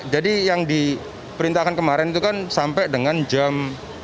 jadi yang diperintahkan kemarin itu kan sampai dengan jam sepuluh